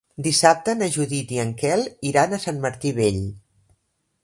Dissabte na Judit i en Quel iran a Sant Martí Vell.